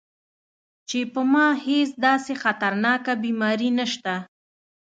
چې پۀ ما هېڅ داسې خطرناکه بيماري نشته -